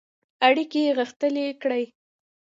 اړیکي غښتلي کړي.